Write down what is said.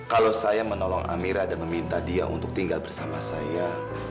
kalau saya menolong amira dan meminta dia untuk tinggal bersama saya